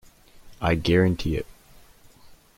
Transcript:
I guarantee it.